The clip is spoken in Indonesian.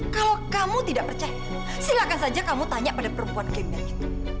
kalau kamu tidak percaya silakan saja kamu tanya pada perempuan kemiri